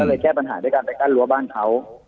ก็เลยแก้ปัญหาด้วยการไปกั้นรั้วบ้านเขา